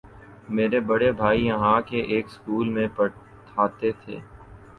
میرے بڑے بھائی یہاں کے ایک سکول میں پڑھاتے تھے۔